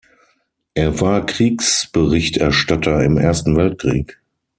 Er war Kriegsberichterstatter im Ersten Weltkrieg.